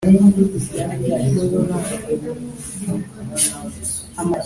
Usumbya umutungo we yahohotera ate mugenzi we ku